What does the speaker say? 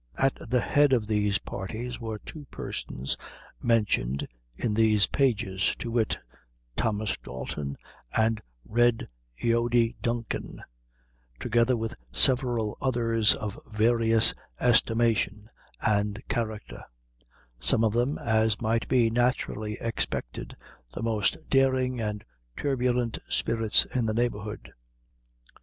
At the head of these parties were two persons mentioned in these pages; to wit, Thomas Dalton and Red Eody Duncan, together with several others of various estimation and character; some of them, as might be naturally expected, the most daring and turbulent spirits in the neighborhood.